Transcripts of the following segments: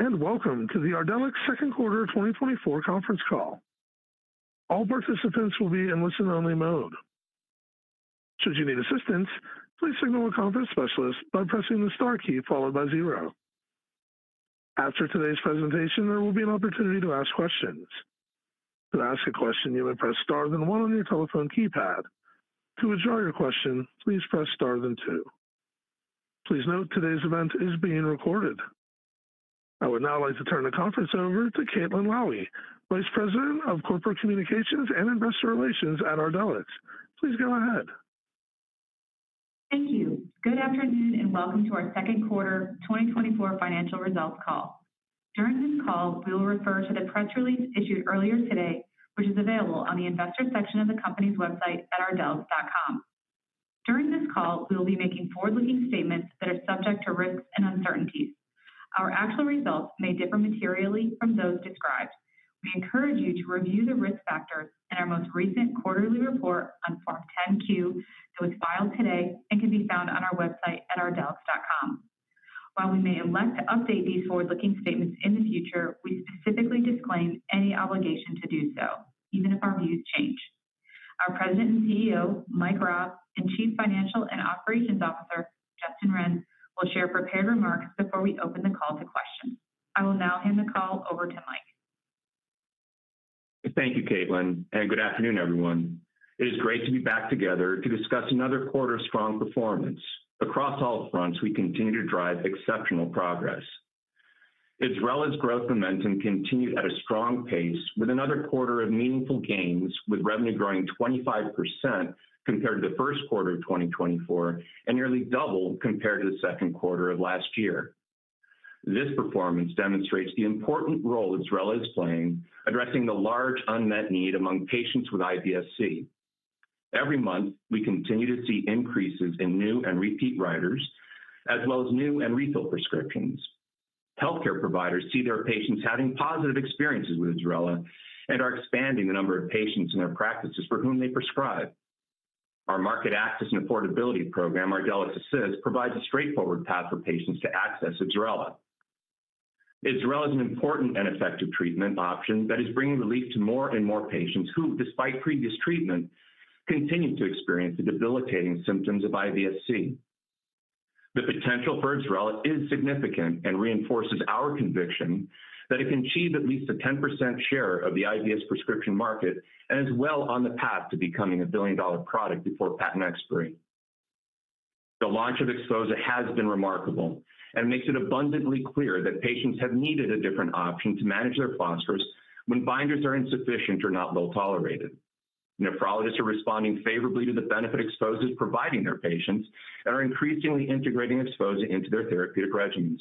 Welcome to the Ardelyx Second Quarter 2024 Conference Call. All participants will be in listen-only mode. Should you need assistance, please signal a conference specialist by pressing the star key followed by zero. After today's presentation, there will be an opportunity to ask questions. To ask a question, you may press star then one on your telephone keypad. To withdraw your question, please press star then two. Please note today's event is being recorded. I would now like to turn the conference over to Caitlin Lowie, Vice President of Corporate Communications and Investor Relations at Ardelyx. Please go ahead. Thank you. Good afternoon and welcome to our Second Quarter 2024 Financial Results Call. During this call, we will refer to the press release issued earlier today, which is available on the investor section of the company's website at ardelyx.com. During this call, we will be making forward-looking statements that are subject to risks and uncertainties. Our actual results may differ materially from those described. We encourage you to review the risk factors in our most recent quarterly report on Form 10-Q that was filed today and can be found on our website at ardelyx.com. While we may elect to update these forward-looking statements in the future, we specifically disclaim any obligation to do so, even if our views change. Our President and CEO, Mike Raab, and Chief Financial and Operations Officer, Justin Renz, will share prepared remarks before we open the call to questions. I will now hand the call over to Mike. Thank you, Caitlin, and good afternoon, everyone. It is great to be back together to discuss another quarter's strong performance. Across all fronts, we continue to drive exceptional progress. IBSRELA's growth momentum continued at a strong pace, with another quarter of meaningful gains, with revenue growing 25% compared to the first quarter of 2024 and nearly double compared to the second quarter of last year. This performance demonstrates the important role IBSRELA is playing in addressing the large unmet need among patients with IBS-C. Every month, we continue to see increases in new and repeat writers, as well as new and refill prescriptions. Healthcare providers see their patients having positive experiences with IBSRELA and are expanding the number of patients in their practices for whom they prescribe. Our market access and affordability program, Ardelyx Assist, provides a straightforward path for patients to access IBSRELA. IBSRELA is an important and effective treatment option that is bringing relief to more and more patients who, despite previous treatment, continue to experience the debilitating symptoms of IBS-C. The potential for IBSRELA is significant and reinforces our conviction that it can achieve at least a 10% share of the IBS prescription market and is well on the path to becoming a billion-dollar product before patent expiry. The launch of XPHOZAH has been remarkable and makes it abundantly clear that patients have needed a different option to manage their phosphorus when binders are insufficient or not well tolerated. Nephrologists are responding favorably to the benefit XPHOZAH is providing their patients and are increasingly integrating XPHOZAH into their therapeutic regimens.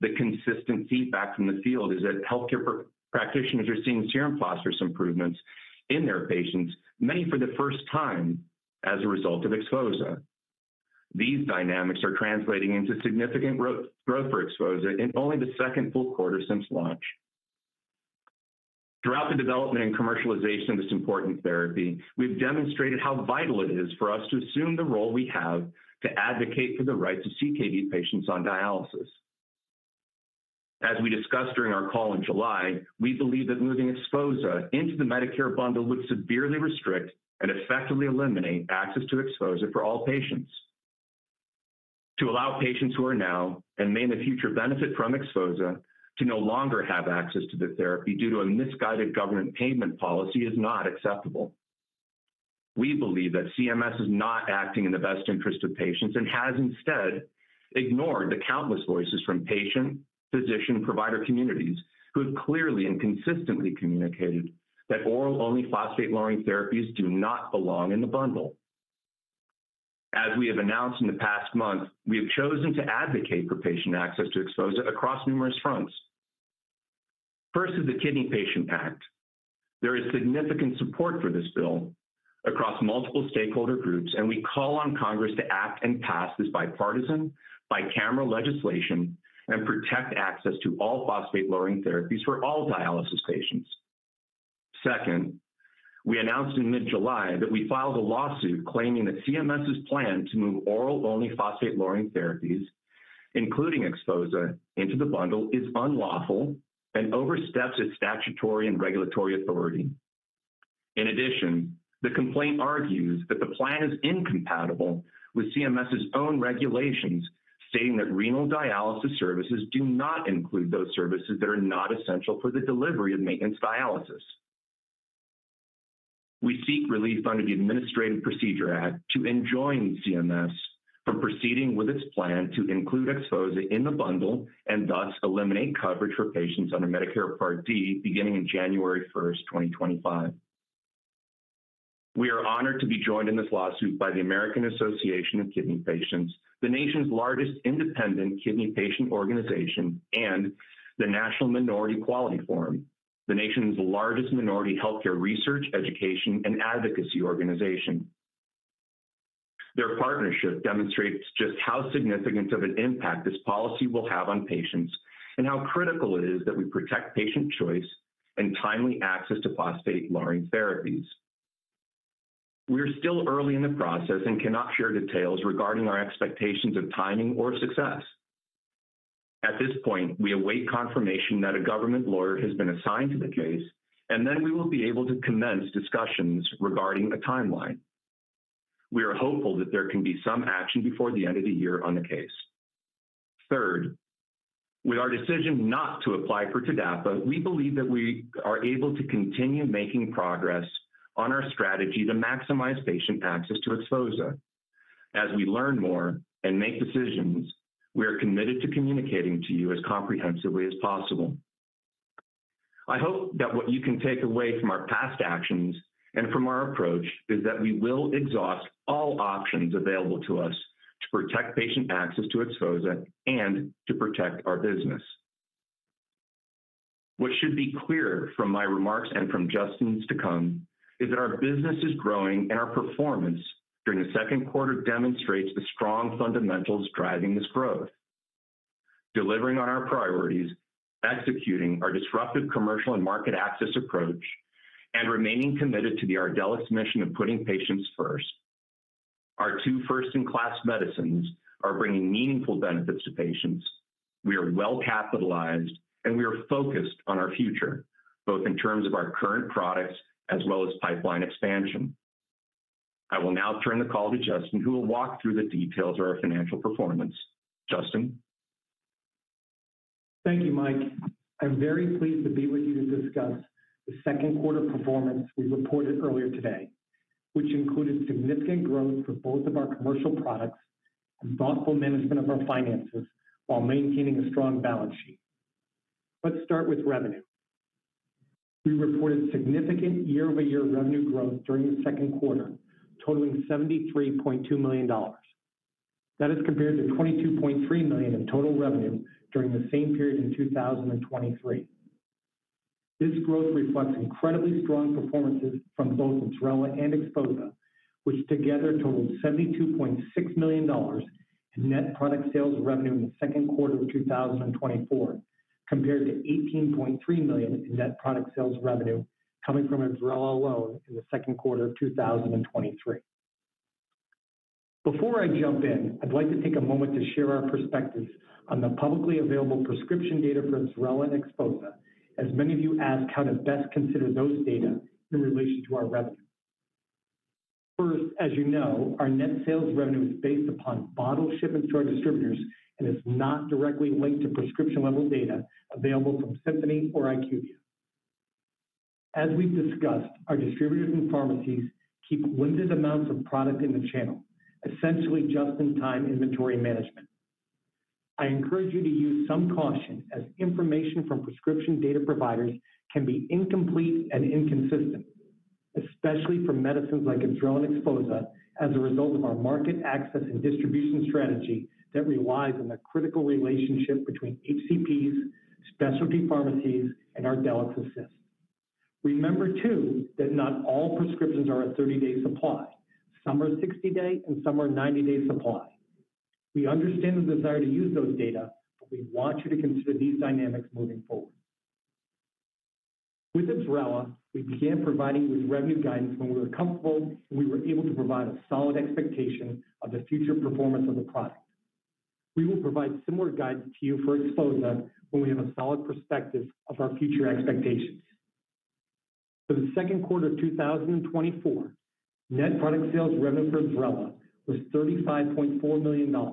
The consistent feedback from the field is that healthcare practitioners are seeing serum phosphorus improvements in their patients, many for the first time as a result of XPHOZAH. These dynamics are translating into significant growth for XPHOZAH in only the second full quarter since launch. Throughout the development and commercialization of this important therapy, we've demonstrated how vital it is for us to assume the role we have to advocate for the rights of CKD patients on dialysis. As we discussed during our call in July, we believe that moving XPHOZAH into the Medicare bundle would severely restrict and effectively eliminate access to XPHOZAH for all patients. To allow patients who are now and may in the future benefit from XPHOZAH to no longer have access to the therapy due to a misguided government payment policy is not acceptable. We believe that CMS is not acting in the best interest of patients and has instead ignored the countless voices from patient, physician, and provider communities who have clearly and consistently communicated that oral-only phosphate-lowering therapies do not belong in the bundle. As we have announced in the past month, we have chosen to advocate for patient access to XPHOZAH across numerous fronts. First is the Kidney Patient Act. There is significant support for this bill across multiple stakeholder groups, and we call on Congress to act and pass this bipartisan, bicameral legislation and protect access to all phosphate-lowering therapies for all dialysis patients. Second, we announced in mid-July that we filed a lawsuit claiming that CMS's plan to move oral-only phosphate-lowering therapies, including XPHOZAH, into the bundle is unlawful and oversteps its statutory and regulatory authority. In addition, the complaint argues that the plan is incompatible with CMS's own regulations stating that renal dialysis services do not include those services that are not essential for the delivery of maintenance dialysis. We seek relief under the Administrative Procedure Act to enjoin CMS from proceeding with its plan to include XPHOZAH in the bundle and thus eliminate coverage for patients under Medicare Part D beginning in January 1, 2025. We are honored to be joined in this lawsuit by the American Association of Kidney Patients, the nation's largest independent kidney patient organization, and the National Minority Quality Forum, the nation's largest minority healthcare research, education, and advocacy organization. Their partnership demonstrates just how significant of an impact this policy will have on patients and how critical it is that we protect patient choice and timely access to phosphate-lowering therapies. We are still early in the process and cannot share details regarding our expectations of timing or success. At this point, we await confirmation that a government lawyer has been assigned to the case, and then we will be able to commence discussions regarding a timeline. We are hopeful that there can be some action before the end of the year on the case. Third, with our decision not to apply for TDAPA, we believe that we are able to continue making progress on our strategy to maximize patient access to XPHOZAH. As we learn more and make decisions, we are committed to communicating to you as comprehensively as possible. I hope that what you can take away from our past actions and from our approach is that we will exhaust all options available to us to protect patient access to XPHOZAH and to protect our business. What should be clearer from my remarks and from Justin's to come is that our business is growing and our performance during the second quarter demonstrates the strong fundamentals driving this growth. Delivering on our priorities, executing our disruptive commercial and market access approach, and remaining committed to the Ardelyx mission of putting patients first. Our two first-in-class medicines are bringing meaningful benefits to patients. We are well capitalized, and we are focused on our future, both in terms of our current products as well as pipeline expansion. I will now turn the call to Justin, who will walk through the details of our financial performance. Justin. Thank you, Mike. I'm very pleased to be with you to discuss the second quarter performance we reported earlier today, which included significant growth for both of our commercial products and thoughtful management of our finances while maintaining a strong balance sheet. Let's start with revenue. We reported significant year-over-year revenue growth during the second quarter, totaling $73.2 million. That is compared to $22.3 million in total revenue during the same period in 2023. This growth reflects incredibly strong performances from both IBSRELA and XPHOZAH, which together totaled $72.6 million in net product sales revenue in the second quarter of 2024, compared to $18.3 million in net product sales revenue coming from IBSRELA alone in the second quarter of 2023. Before I jump in, I'd like to take a moment to share our perspectives on the publicly available prescription data for IBSRELA and XPHOZAH, as many of you ask how to best consider those data in relation to our revenue. First, as you know, our net sales revenue is based upon bottle shipments to our distributors and is not directly linked to prescription-level data available from Symphony or IQVIA. As we've discussed, our distributors and pharmacies keep limited amounts of product in the channel, essentially just-in-time inventory management. I encourage you to use some caution as information from prescription data providers can be incomplete and inconsistent, especially for medicines like IBSRELA and XPHOZAH as a result of our market access and distribution strategy that relies on the critical relationship between HCPs, specialty pharmacies, and Ardelyx Assist. Remember too that not all prescriptions are a 30-day supply. Some are 60-day and some are 90-day supply. We understand the desire to use those data, but we want you to consider these dynamics moving forward. With IBSRELA, we began providing with revenue guidance when we were comfortable and we were able to provide a solid expectation of the future performance of the product. We will provide similar guidance to you for XPHOZAH when we have a solid perspective of our future expectations. For the second quarter of 2024, net product sales revenue for IBSRELA was $35.4 million,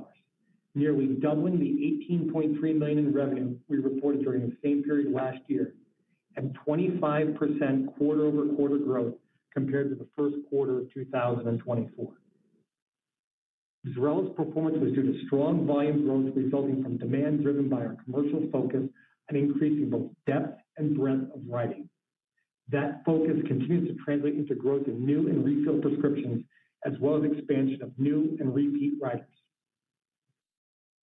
nearly doubling the $18.3 million in revenue we reported during the same period last year and 25% quarter-over-quarter growth compared to the first quarter of 2024. IBSRELA's performance was due to strong volume growth resulting from demand driven by our commercial focus on increasing both depth and breadth of writing. That focus continues to translate into growth in new and refill prescriptions as well as expansion of new and repeat writers.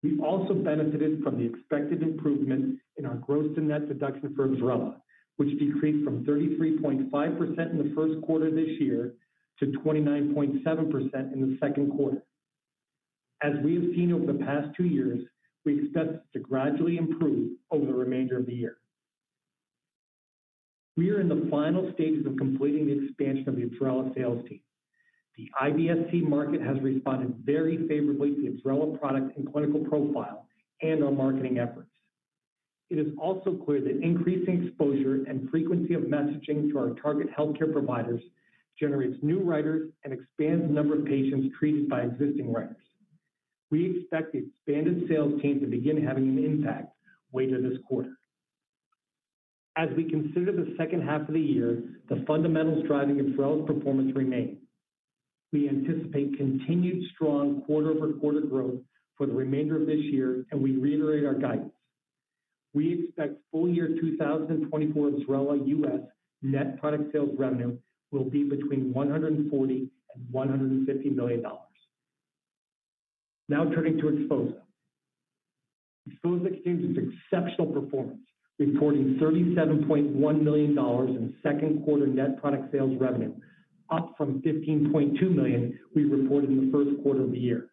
We also benefited from the expected improvement in our gross-to-net deduction for IBSRELA, which decreased from 33.5% in the first quarter of this year to 29.7% in the second quarter. As we have seen over the past two years, we expect this to gradually improve over the remainder of the year. We are in the final stages of completing the expansion of the IBSRELA sales team. The IBS-C market has responded very favorably to the IBSRELA product and clinical profile and our marketing efforts. It is also clear that increasing exposure and frequency of messaging to our target healthcare providers generates new writers and expands the number of patients treated by existing writers. We expect the expanded sales team to begin having an impact later this quarter. As we consider the second half of the year, the fundamentals driving IBSRELA's performance remain. We anticipate continued strong quarter-over-quarter growth for the remainder of this year, and we reiterate our guidance. We expect full-year 2024 IBSRELA U.S. net product sales revenue will be between $140 million-$150 million. Now turning to XPHOZAH. XPHOZAH continues its exceptional performance, reporting $37.1 million in second quarter net product sales revenue, up from $15.2 million we reported in the first quarter of the year.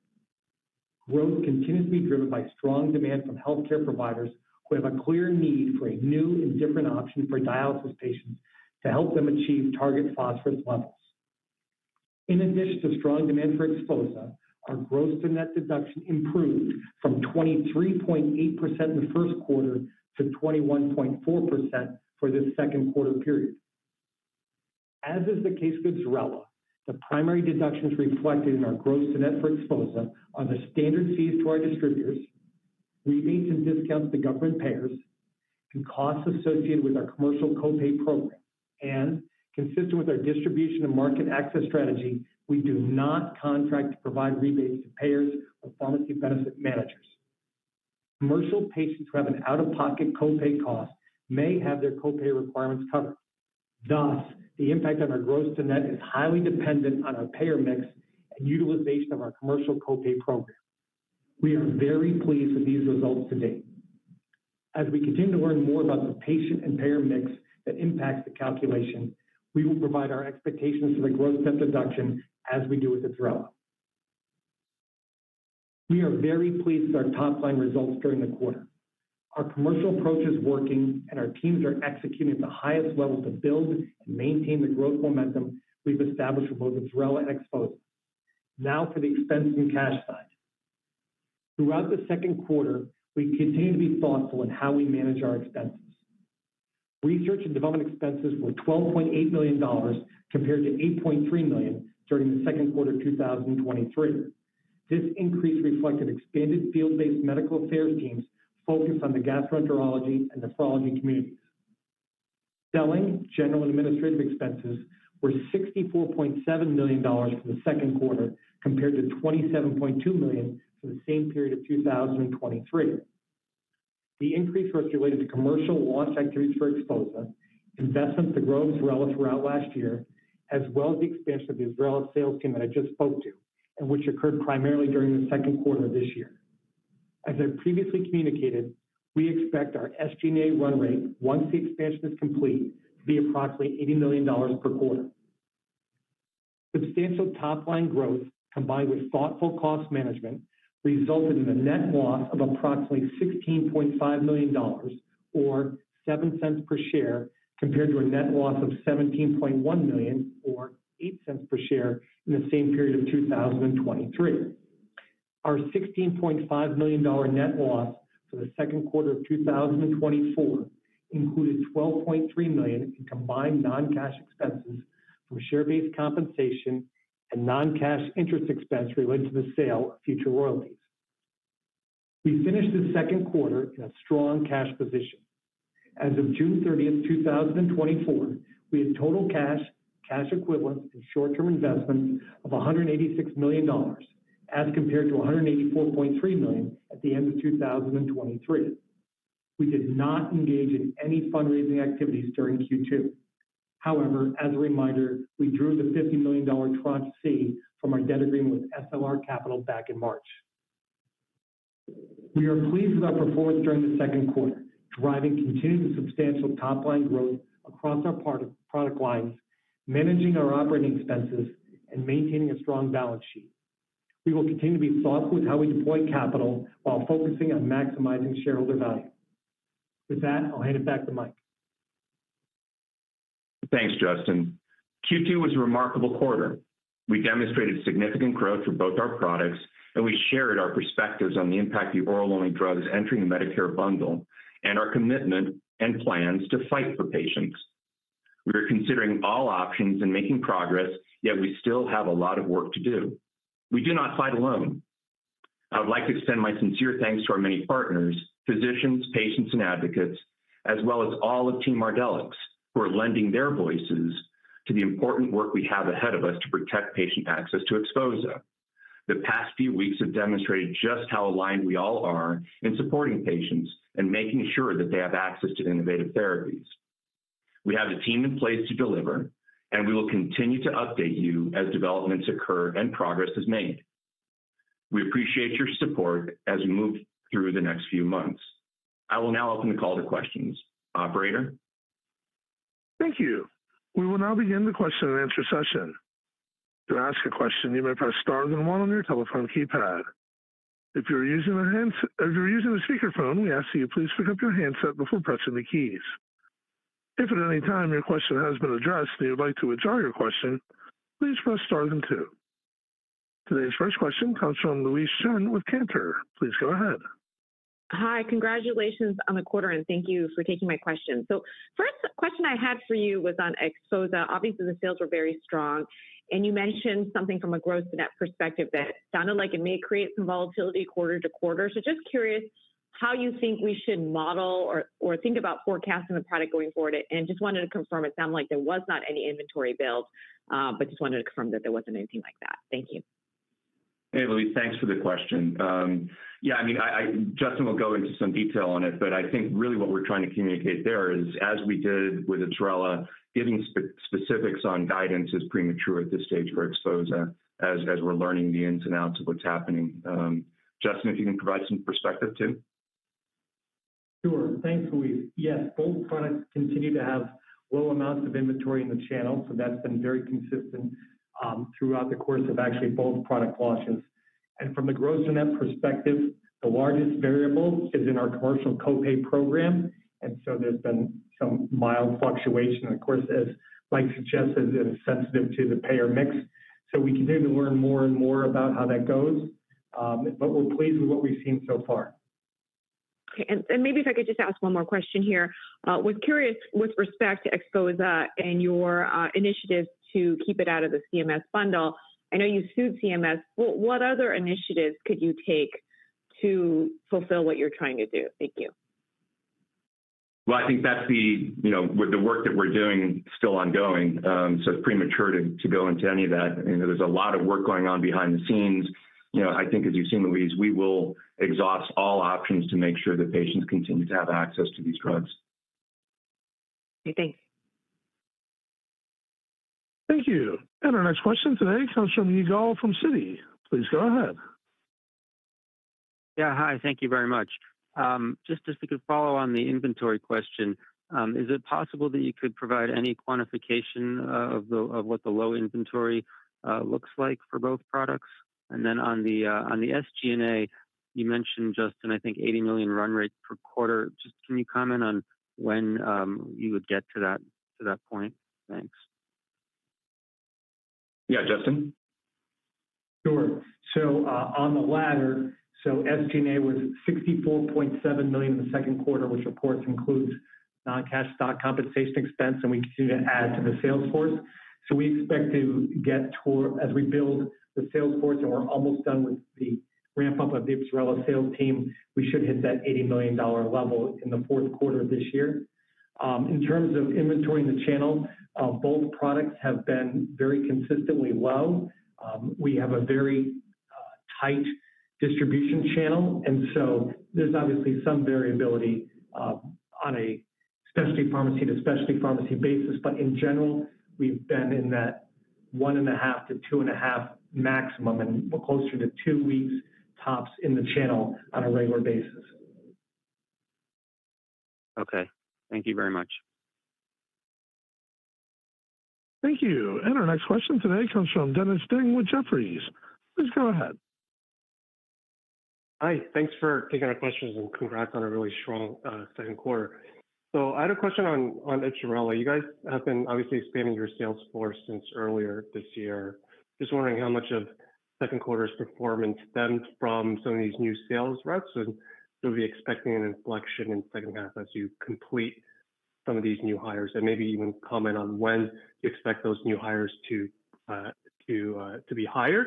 Growth continues to be driven by strong demand from healthcare providers who have a clear need for a new and different option for dialysis patients to help them achieve target phosphorus levels. In addition to strong demand for XPHOZAH, our gross-to-net deduction improved from 23.8% in the first quarter to 21.4% for this second quarter period. As is the case with IBSRELA, the primary deductions reflected in our gross-to-net for XPHOZAH are the standard fees to our distributors, rebates and discounts to the government payers, and costs associated with our commercial copay program. Consistent with our distribution and market access strategy, we do not contract to provide rebates to payers or pharmacy benefit managers. Commercial patients who have an out-of-pocket copay cost may have their copay requirements covered. Thus, the impact on our gross-to-net is highly dependent on our payer mix and utilization of our commercial copay program. We are very pleased with these results to date. As we continue to learn more about the patient and payer mix that impacts the calculation, we will provide our expectations for the gross-to-net deduction as we do with IBSRELA. We are very pleased with our top-line results during the quarter. Our commercial approach is working, and our teams are executing at the highest level to build and maintain the growth momentum we've established for both IBSRELA and XPHOZAH. Now for the expense and cash side. Throughout the second quarter, we continue to be thoughtful in how we manage our expenses. Research and development expenses were $12.8 million compared to $8.3 million during the second quarter of 2023. This increase reflected expanded field-based medical affairs teams focused on the gastroenterology and nephrology communities. Selling general and administrative expenses were $64.7 million for the second quarter compared to $27.2 million for the same period of 2023. The increase was related to commercial launch activities for XPHOZAH, investments to grow IBSRELA throughout last year, as well as the expansion of the IBSRELA sales team that I just spoke to, which occurred primarily during the second quarter of this year. As I previously communicated, we expect our SG&A run rate, once the expansion is complete, to be approximately $80 million per quarter. Substantial top-line growth, combined with thoughtful cost management, resulted in a net loss of approximately $16.5 million or 7 cents per share compared to a net loss of $17.1 million or 8 cents per share in the same period of 2023. Our $16.5 million net loss for the second quarter of 2024 included $12.3 million in combined non-cash expenses from share-based compensation and non-cash interest expense related to the sale of future royalties. We finished the second quarter in a strong cash position. As of June 30, 2024, we had total cash, cash equivalents, and short-term investments of $186 million as compared to $184.3 million at the end of 2023. We did not engage in any fundraising activities during Q2. However, as a reminder, we drew the $50 million Tranche C from our debt agreement with SLR Capital back in March. We are pleased with our performance during the second quarter, driving continued substantial top-line growth across our product lines, managing our operating expenses, and maintaining a strong balance sheet. We will continue to be thoughtful with how we deploy capital while focusing on maximizing shareholder value. With that, I'll hand it back to Mike. Thanks, Justin. Q2 was a remarkable quarter. We demonstrated significant growth for both our products, and we shared our perspectives on the impact of the oral-only drugs entering the Medicare bundle and our commitment and plans to fight for patients. We are considering all options and making progress, yet we still have a lot of work to do. We do not fight alone. I would like to extend my sincere thanks to our many partners, physicians, patients, and advocates, as well as all of Team Ardelyx, who are lending their voices to the important work we have ahead of us to protect patient access to XPHOZAH. The past few weeks have demonstrated just how aligned we all are in supporting patients and making sure that they have access to innovative therapies. We have a team in place to deliver, and we will continue to update you as developments occur and progress is made. We appreciate your support as we move through the next few months. I will now open the call to questions. Operator. Thank you. We will now begin the question-and-answer session. To ask a question, you may press star and one on your telephone keypad. If you're using a speakerphone, we ask that you please pick up your handset before pressing the keys. If at any time your question has been addressed and you'd like to withdraw your question, please press star and two. Today's first question comes from Louise Chen with Cantor. Please go ahead. Hi. Congratulations on the quarter, and thank you for taking my question. So first question I had for you was on XPHOZAH. Obviously, the sales were very strong, and you mentioned something from a gross-to-net perspective that sounded like it may create some volatility quarter to quarter. So just curious how you think we should model or think about forecasting the product going forward. And just wanted to confirm it sounded like there was not any inventory build, but just wanted to confirm that there wasn't anything like that. Thank you. Hey, Louise, thanks for the question. Yeah, I mean, Justin will go into some detail on it, but I think really what we're trying to communicate there is, as we did with IBSRELA, giving specifics on guidance is premature at this stage for XPHOZAH as we're learning the ins and outs of what's happening. Justin, if you can provide some perspective too. Sure. Thanks, Louise. Yes, both products continue to have low amounts of inventory in the channel, so that's been very consistent throughout the course of actually both product launches. And from the gross-to-net perspective, the largest variable is in our commercial copay program, and so there's been some mild fluctuation. And of course, as Mike suggested, it is sensitive to the payer mix. So we continue to learn more and more about how that goes, but we're pleased with what we've seen so far. Okay. And maybe if I could just ask one more question here. I was curious with respect to XPHOZAH and your initiatives to keep it out of the CMS bundle. I know you sued CMS. What other initiatives could you take to fulfill what you're trying to do? Thank you. Well, I think that's the work that we're doing is still ongoing, so it's premature to go into any of that. There's a lot of work going on behind the scenes. I think, as you've seen, Louise, we will exhaust all options to make sure that patients continue to have access to these drugs. Okay. Thanks. Thank you. Our next question today comes from Yigal from Citi. Please go ahead. Yeah. Hi. Thank you very much. Just as we could follow on the inventory question, is it possible that you could provide any quantification of what the low inventory looks like for both products? And then on the SG&A, you mentioned, Justin, I think, $80 million run rate per quarter. Just, can you comment on when you would get to that point? Thanks. Yeah, Justin. Sure. So on the latter, so SG&A was $64.7 million in the second quarter, which, of course, includes non-cash stock compensation expense, and we continue to add to the sales force. So we expect to get, as we build the sales force and we're almost done with the ramp-up of the IBSRELA sales team, we should hit that $80 million level in the fourth quarter of this year. In terms of inventory in the channel, both products have been very consistently low. We have a very tight distribution channel, and so there's obviously some variability on a specialty pharmacy to specialty pharmacy basis, but in general, we've been in that 1.5-2.5 weeks maximum and closer to 2 weeks tops in the channel on a regular basis. Okay. Thank you very much. Thank you. Our next question today comes from Dennis Ding with Jefferies. Please go ahead. Hi. Thanks for taking our questions and congrats on a really strong second quarter. So I had a question on IBSRELA. You guys have been obviously expanding your sales force since earlier this year. Just wondering how much of second quarter's performance stems from some of these new sales reps, and you'll be expecting an inflection in the second half as you complete some of these new hires. And maybe you can comment on when you expect those new hires to be hired.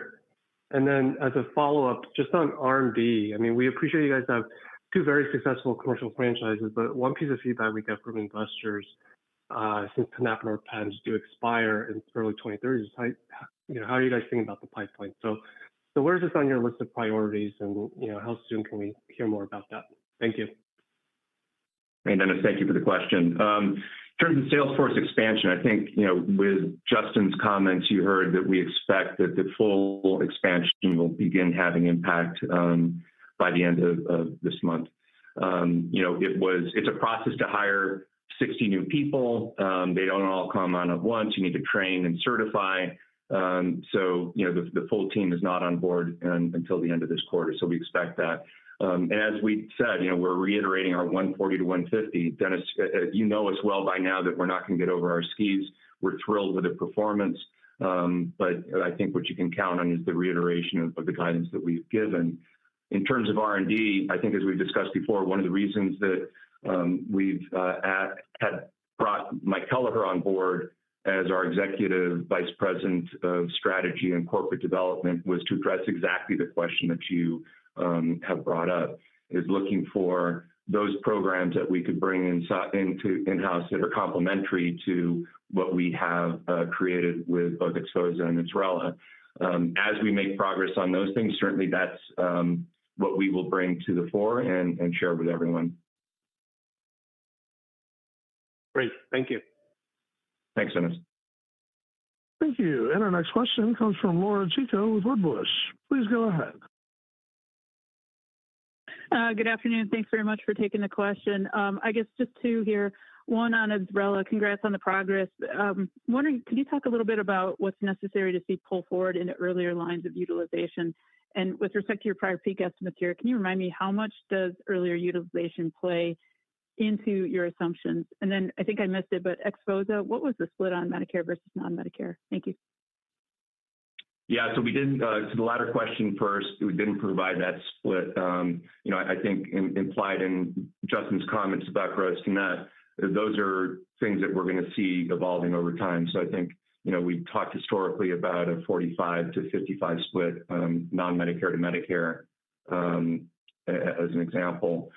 And then as a follow-up, just on R&D, I mean, we appreciate you guys have two very successful commercial franchises, but one piece of feedback we get from investors since the tenapanor patents do expire in early 2030 is how are you guys thinking about the pipeline? So where is this on your list of priorities, and how soon can we hear more about that? Thank you. Hey, Dennis, thank you for the question. In terms of sales force expansion, I think with Justin's comments, you heard that we expect that the full expansion will begin having impact by the end of this month. It's a process to hire 60 new people. They don't all come on at once. You need to train and certify. So the full team is not on board until the end of this quarter, so we expect that. And as we said, we're reiterating our $140-$150. Dennis, you know us well by now that we're not going to get over our skis. We're thrilled with the performance, but I think what you can count on is the reiteration of the guidance that we've given. In terms of R&D, I think as we've discussed before, one of the reasons that we've had brought Mike Kelleher on board as our Executive Vice President of Strategy and Corporate Development was to address exactly the question that you have brought up, is looking for those programs that we could bring in-house that are complementary to what we have created with both XPHOZAH and IBSRELA. As we make progress on those things, certainly that's what we will bring to the fore and share with everyone. Great. Thank you. Thanks, Dennis. Thank you. And our next question comes from Laura Chico with Wedbush. Please go ahead. Good afternoon. Thanks very much for taking the question. I guess just two here. One on IBSRELA. Congrats on the progress. I'm wondering, could you talk a little bit about what's necessary to see pull forward in the earlier lines of utilization? And with respect to your prior peak estimates here, can you remind me how much does earlier utilization play into your assumptions? And then I think I missed it, but XPHOZAH, what was the split on Medicare versus non-Medicare? Thank you. Yeah. So to the latter question first, we didn't provide that split. I think implied in Justin's comments about gross-to-net, those are things that we're going to see evolving over time. So I think we talked historically about a 45-55 split, non-Medicare to Medicare as an example.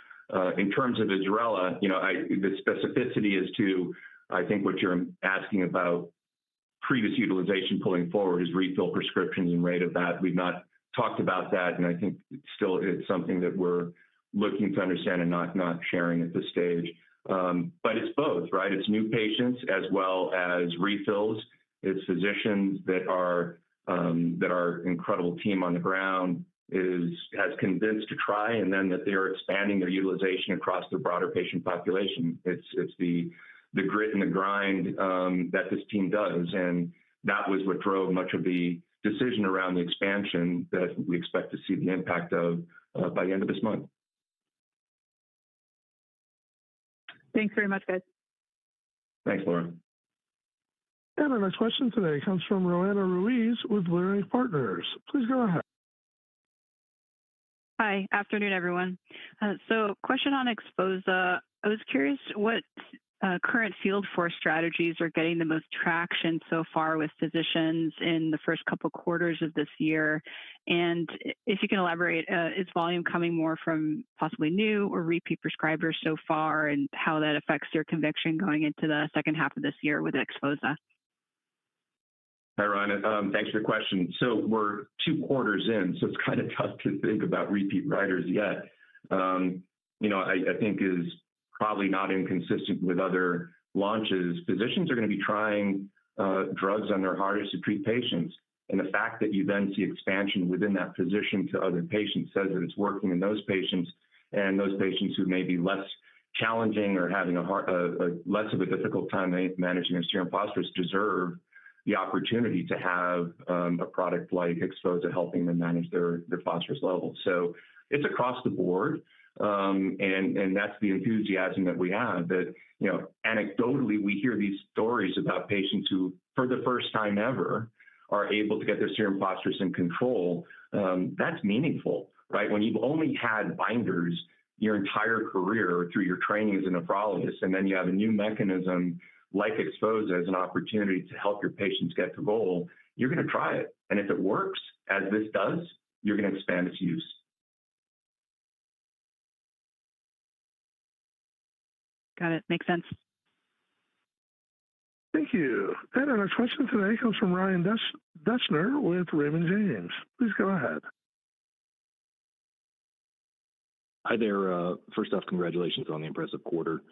In terms of IBSRELA, the specificity is to, I think what you're asking about previous utilization pulling forward is refill prescriptions and rate of that. We've not talked about that, and I think still it's something that we're looking to understand and not sharing at this stage. But it's both, right? It's new patients as well as refills. It's physicians that our incredible team on the ground has convinced to try, and then that they are expanding their utilization across the broader patient population. It's the grit and the grind that this team does, and that was what drove much of the decision around the expansion that we expect to see the impact of by the end of this month. Thanks very much, guys. Thanks, Laura. Our next question today comes from Roanna Ruiz with Leerink Partners. Please go ahead. Hi. Afternoon, everyone. Question on XPHOZAH. I was curious what current field force strategies are getting the most traction so far with physicians in the first couple of quarters of this year. And if you can elaborate, is volume coming more from possibly new or repeat prescribers so far, and how that affects their conviction going into the second half of this year with XPHOZAH? Hi, Roanna. Thanks for the question. So we're two quarters in, so it's kind of tough to think about repeat writers yet. I think is probably not inconsistent with other launches. Physicians are going to be trying drugs on their hardest to treat patients. And the fact that you then see expansion within that physician to other patients says that it's working in those patients. And those patients who may be less challenging or having less of a difficult time managing their serum phosphorus deserve the opportunity to have a product like XPHOZAH helping them manage their phosphorus levels. So it's across the board, and that's the enthusiasm that we have. Anecdotally, we hear these stories about patients who, for the first time ever, are able to get their serum phosphorus in control. That's meaningful, right? When you've only had binders your entire career through your training as a nephrologist, and then you have a new mechanism like XPHOZAH as an opportunity to help your patients get to goal, you're going to try it. And if it works, as this does, you're going to expand its use. Got it. Makes sense. Thank you. Our next question today comes from Ryan Deschner with Raymond James. Please go ahead. Hi there. First off, congratulations on the impressive quarter.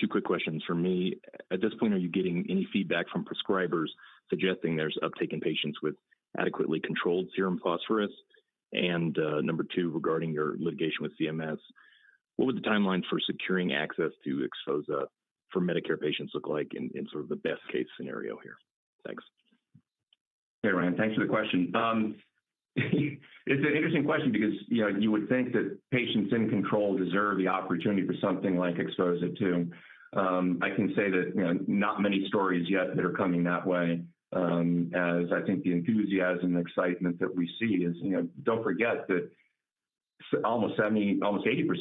Two quick questions for me. At this point, are you getting any feedback from prescribers suggesting there's uptake in patients with adequately controlled serum phosphorus? And number two, regarding your litigation with CMS, what would the timeline for securing access to XPHOZAH for Medicare patients look like in sort of the best-case scenario here? Thanks. Hey, Ryan. Thanks for the question. It's an interesting question because you would think that patients in control deserve the opportunity for something like XPHOZAH too. I can say that not many stories yet that are coming that way, as I think the enthusiasm and excitement that we see is don't forget that almost 80%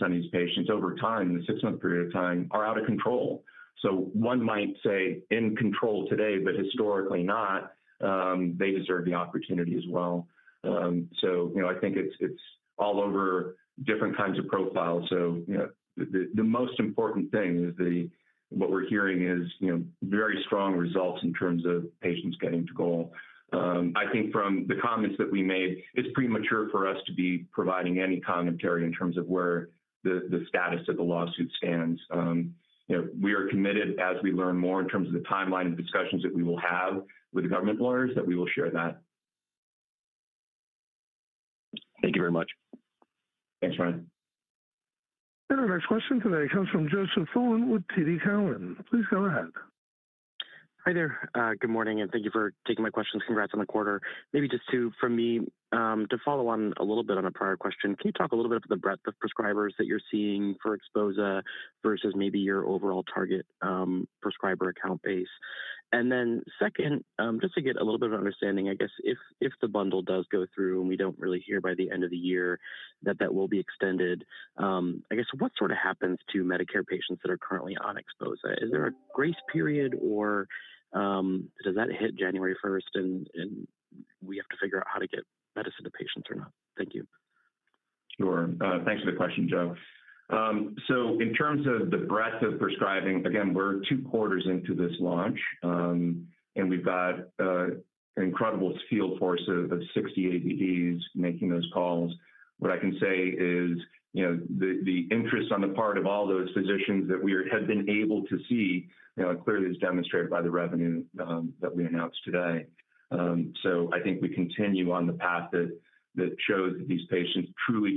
of these patients over time, in the six-month period of time, are out of control. So one might say in control today, but historically not, they deserve the opportunity as well. So, I think it's all over different kinds of profiles. So, the most important thing is what we're hearing is very strong results in terms of patients getting to goal. I think from the comments that we made, it's premature for us to be providing any commentary in terms of where the status of the lawsuit stands. We are committed, as we learn more in terms of the timeline of discussions that we will have with government lawyers, that we will share that. Thank you very much. Thanks, Ryan. Our next question today comes from Joseph Thome with TD Cowen. Please go ahead. Hi there. Good morning, and thank you for taking my questions. Congrats on the quarter. Maybe just to, for me, to follow on a little bit on a prior question, can you talk a little bit about the breadth of prescribers that you're seeing for XPHOZAH versus maybe your overall target prescriber account base? And then second, just to get a little bit of understanding, I guess if the bundle does go through and we don't really hear by the end of the year that that will be extended, I guess what sort of happens to Medicare patients that are currently on XPHOZAH? Is there a grace period, or does that hit January 1st and we have to figure out how to get medicine to patients or not? Thank you. Sure. Thanks for the question, Joe. So in terms of the breadth of prescribing, again, we're two quarters into this launch, and we've got an incredible field force of 60 ABDs making those calls. What I can say is the interest on the part of all those physicians that we have been able to see clearly is demonstrated by the revenue that we announced today. So I think we continue on the path that shows that these patients truly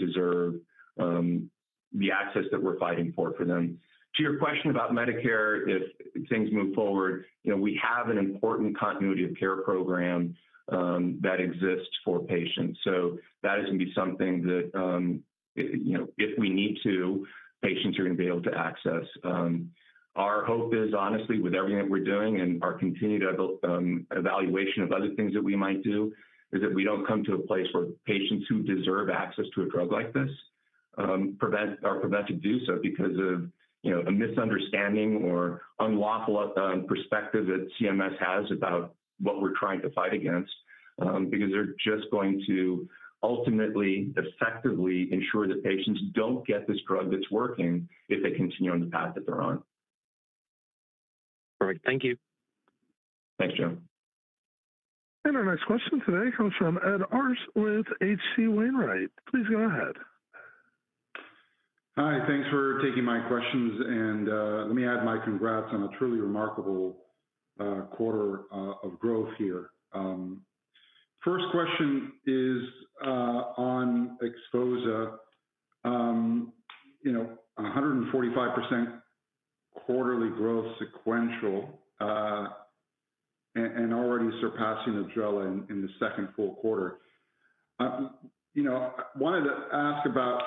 deserve the access that we're fighting for for them. To your question about Medicare, if things move forward, we have an important continuity of care program that exists for patients. So that is going to be something that, if we need to, patients are going to be able to access. Our hope is, honestly, with everything that we're doing and our continued evaluation of other things that we might do, is that we don't come to a place where patients who deserve access to a drug like this are prevented to do so because of a misunderstanding or unlawful perspective that CMS has about what we're trying to fight against because they're just going to ultimately effectively ensure that patients don't get this drug that's working if they continue on the path that they're on. Perfect. Thank you. Thanks, Joe. Our next question today comes from Ed Arce with HC Wainwright. Please go ahead. Hi. Thanks for taking my questions. Let me add my congrats on a truly remarkable quarter of growth here. First question is on XPHOZAH. 145% quarterly growth sequential and already surpassing IBSRELA in the second full quarter. I wanted to ask about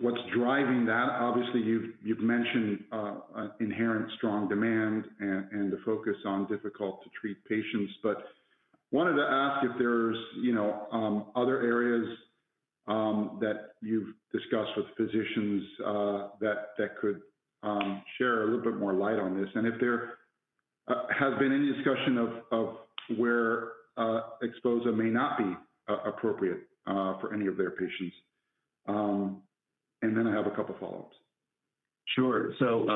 what's driving that. Obviously, you've mentioned inherent strong demand and the focus on difficult-to-treat patients, but I wanted to ask if there's other areas that you've discussed with physicians that could share a little bit more light on this, and if there has been any discussion of where XPHOZAH may not be appropriate for any of their patients. Then I have a couple of follow-ups. Sure. So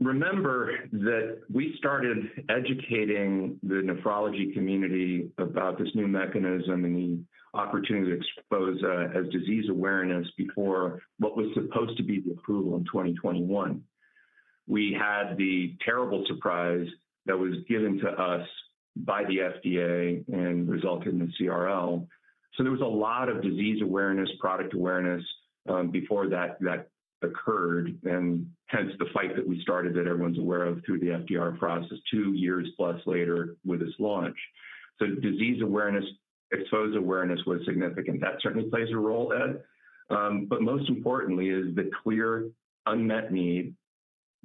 remember that we started educating the nephrology community about this new mechanism and the opportunity to XPHOZAH as disease awareness before what was supposed to be the approval in 2021. We had the terrible surprise that was given to us by the FDA and resulted in the CRL. So there was a lot of disease awareness, product awareness before that occurred, and hence the fight that we started that everyone's aware of through the FDA process 2+ years later with this launch. So disease awareness, XPHOZAH awareness was significant. That certainly plays a role, Ed. But most importantly is the clear unmet need,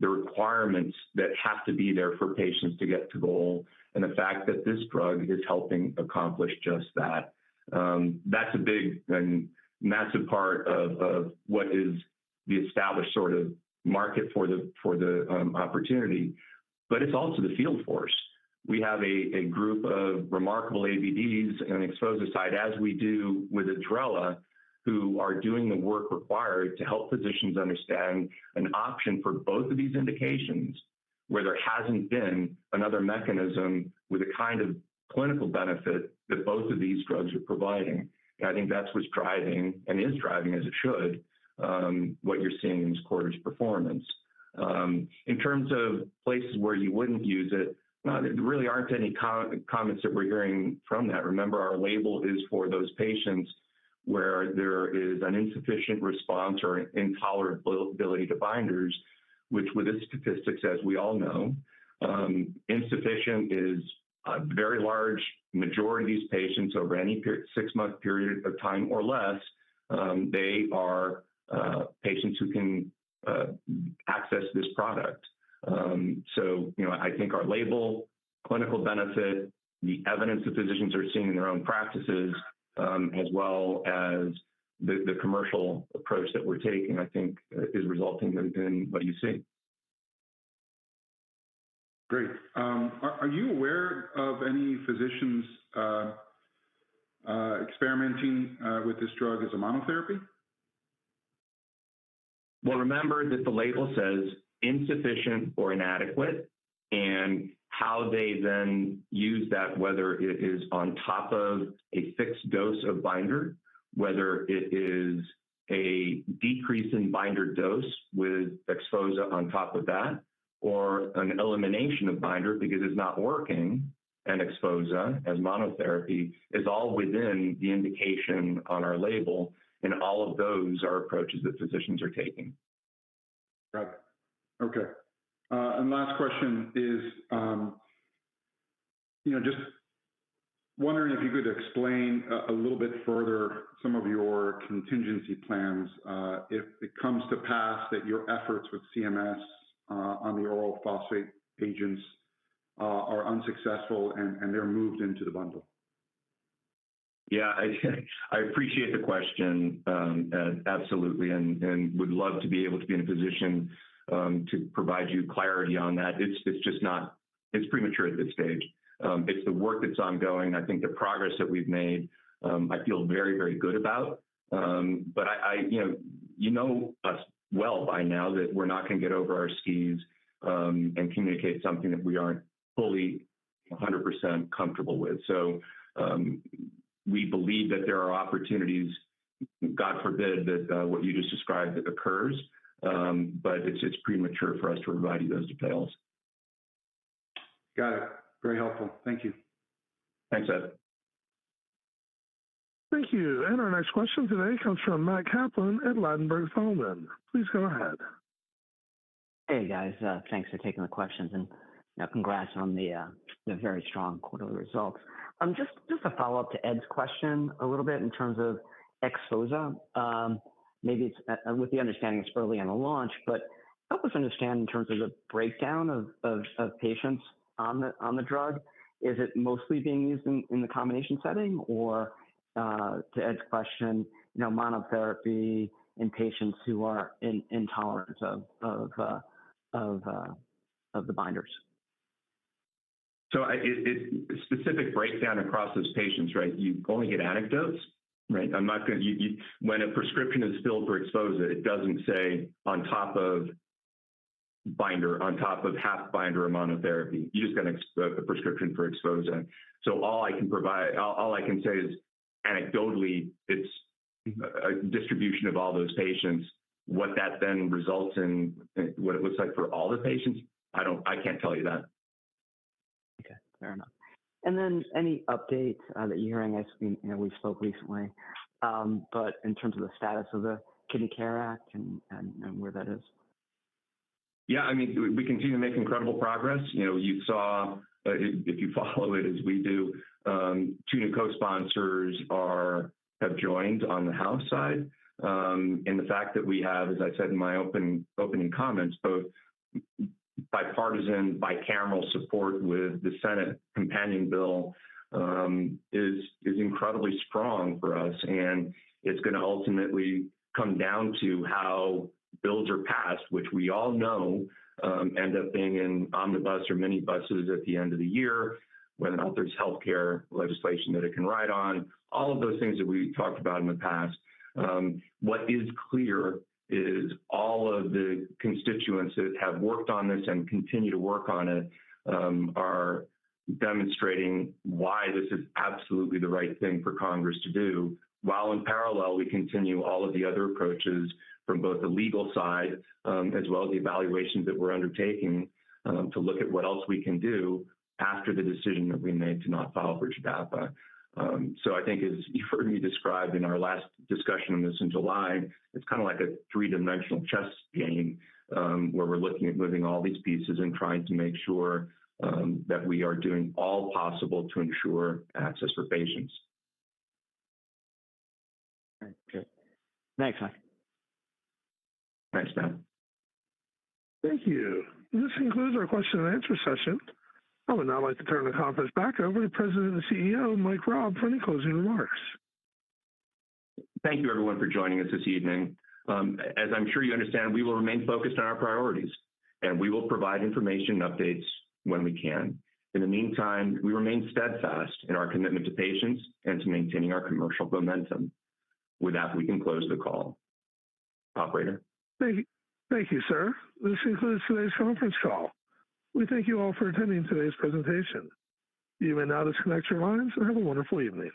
the requirements that have to be there for patients to get to goal, and the fact that this drug is helping accomplish just that. That's a big and massive part of what is the established sort of market for the opportunity. But it's also the field force. We have a group of remarkable ABDs and XPHOZAH side, as we do with IBSRELA, who are doing the work required to help physicians understand an option for both of these indications where there hasn't been another mechanism with a kind of clinical benefit that both of these drugs are providing. And I think that's what's driving and is driving, as it should, what you're seeing in this quarter's performance. In terms of places where you wouldn't use it, there really aren't any comments that we're hearing from that. Remember, our label is for those patients where there is an insufficient response or intolerability to binders, which with this statistic, as we all know, insufficient is a very large majority of these patients over any six-month period of time or less, they are patients who can access this product. I think our label, clinical benefit, the evidence that physicians are seeing in their own practices, as well as the commercial approach that we're taking, I think is resulting in what you see. Great. Are you aware of any physicians experimenting with this drug as a monotherapy? Well, remember that the label says insufficient or inadequate, and how they then use that, whether it is on top of a fixed dose of binder, whether it is a decrease in binder dose with XPHOZAH on top of that, or an elimination of binder because it's not working, and XPHOZAH as monotherapy is all within the indication on our label, and all of those are approaches that physicians are taking. Okay. Last question is just wondering if you could explain a little bit further some of your contingency plans if it comes to pass that your efforts with CMS on the oral phosphate agents are unsuccessful and they're moved into the bundle? Yeah. I appreciate the question, absolutely, and would love to be able to be in a position to provide you clarity on that. It's just not. It's premature at this stage. It's the work that's ongoing. I think the progress that we've made, I feel very, very good about. But you know us well by now that we're not going to get over our skis and communicate something that we aren't fully 100% comfortable with. So we believe that there are opportunities, God forbid, that what you just described occurs, but it's premature for us to provide you those details. Got it. Very helpful. Thank you. Thanks, Ed. Thank you. Our next question today comes from Matt Kaplan at Ladenburg Thalmann. Please go ahead. Hey, guys. Thanks for taking the questions. Congrats on the very strong quarterly results. Just a follow-up to Ed's question a little bit in terms of XPHOZAH. Maybe it's with the understanding it's early on the launch, but help us understand in terms of the breakdown of patients on the drug. Is it mostly being used in the combination setting? Or to Ed's question, monotherapy in patients who are intolerant of the binders? So specific breakdown across those patients, right? You only get anecdotes, right? When a prescription is filled for XPHOZAH, it doesn't say on top of binder, on top of half binder of monotherapy. You just got a prescription for XPHOZAH. So all I can provide, all I can say is anecdotally, it's a distribution of all those patients. What that then results in, what it looks like for all the patients, I can't tell you that. Okay. Fair enough. And then any update that you're hearing as we spoke recently, but in terms of the status of the Kidney Care Act and where that is? Yeah. I mean, we continue to make incredible progress. You saw, if you follow it as we do, two of the co-sponsors have joined on the House side. And the fact that we have, as I said in my opening comments, both bipartisan, bicameral support with the Senate companion bill is incredibly strong for us. And it's going to ultimately come down to how bills are passed, which we all know end up being in omnibus or minibuses at the end of the year, whether or not there's healthcare legislation that it can ride on, all of those things that we talked about in the past. What is clear is all of the constituents that have worked on this and continue to work on it are demonstrating why this is absolutely the right thing for Congress to do. While in parallel, we continue all of the other approaches from both the legal side as well as the evaluations that we're undertaking to look at what else we can do after the decision that we made to not file for TDAPA. So I think as you heard me describe in our last discussion on this in July, it's kind of like a three-dimensional chess game where we're looking at moving all these pieces and trying to make sure that we are doing all possible to ensure access for patients. Okay. Next slide. Thanks, Matt. Thank you. This concludes our question and answer session. I would now like to turn the conference back over to President and CEO Mike Raab for any closing remarks. Thank you, everyone, for joining us this evening. As I'm sure you understand, we will remain focused on our priorities, and we will provide information and updates when we can. In the meantime, we remain steadfast in our commitment to patients and to maintaining our commercial momentum. With that, we can close the call. Operator. Thank you, sir. This concludes today's conference call. We thank you all for attending today's presentation. You may now disconnect your lines and have a wonderful evening.